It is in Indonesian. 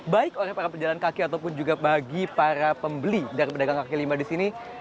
baik oleh para pejalan kaki ataupun juga bagi para pembeli dari pedagang kaki lima di sini